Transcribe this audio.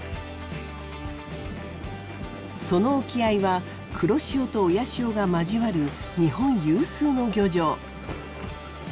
その沖合は黒潮と親潮が交わる日本有数の漁場。